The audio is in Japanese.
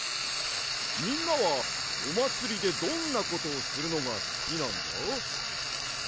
みんなはおまつりでどんなことをするのがすきなんだ？